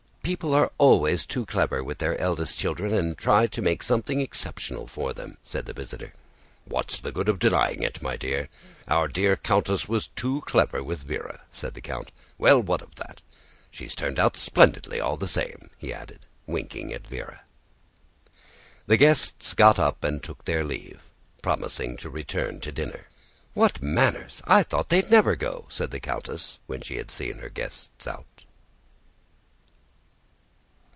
"People are always too clever with their eldest children and try to make something exceptional of them," said the visitor. "What's the good of denying it, my dear? Our dear countess was too clever with Véra," said the count. "Well, what of that? She's turned out splendidly all the same," he added, winking at Véra. The guests got up and took their leave, promising to return to dinner. "What manners! I thought they would never go," said the countess, when she had seen her guests out.